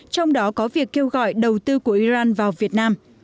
trong đó có việc kêu gọi đầu tư của iran vào việt nam